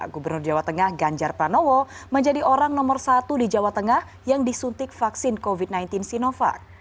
gubernur jawa tengah ganjar pranowo menjadi orang nomor satu di jawa tengah yang disuntik vaksin covid sembilan belas sinovac